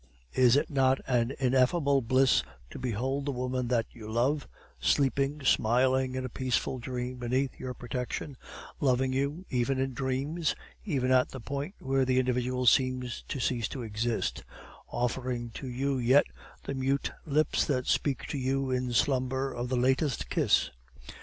Is it not an ineffable bliss to behold the woman that you love, sleeping, smiling in a peaceful dream beneath your protection, loving you even in dreams, even at the point where the individual seems to cease to exist, offering to you yet the mute lips that speak to you in slumber of the latest kiss?